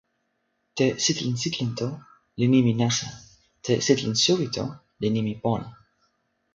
te "sitelen sitelen" to li nimi nasa. te "sitelen suwi" to li nimi pona.